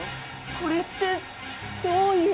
これってどういう。